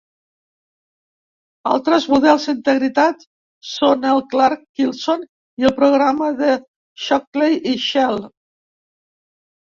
Altres models d'integritat són el de Clark-Wilson i el programa de Shockley i Schell.